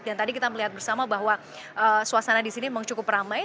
dan tadi kita melihat bersama bahwa suasana disini memang cukup ramai